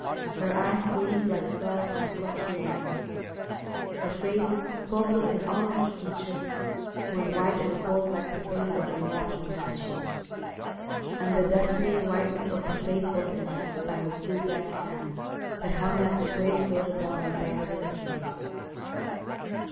Her eyes gleamed like stars on a frosty night ; her face, faultless in all its features, was white and cold like the face of a marble statue ; and the deathly whiteness of the face was enhanced by her blue black hair that hung like a great veil down her back to her feet.